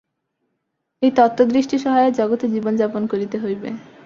এই তত্ত্বদৃষ্টি-সহায়ে জগতে জীবনযাপন করিতে হইবে।